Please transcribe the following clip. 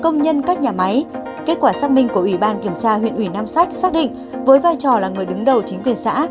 công nhân các nhà máy kết quả xác minh của ủy ban kiểm tra huyện ủy nam sách xác định với vai trò là người đứng đầu chính quyền xã